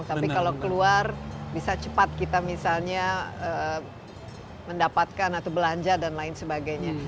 tapi kalau keluar bisa cepat kita misalnya mendapatkan atau belanja dan lain sebagainya